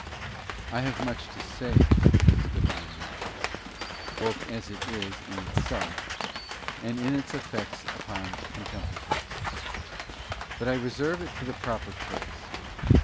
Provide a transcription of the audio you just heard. _ I have much to say of this Divine Knowledge, both as it is in itself, and in its effects upon contemplatives; but I reserve it for its proper place.